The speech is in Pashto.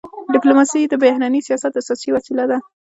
ډيپلوماسي د بهرني سیاست اساسي وسیله ده.